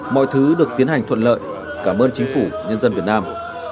mọi thứ được tiến hành thuận lợi cảm ơn chính phủ nhân dân việt nam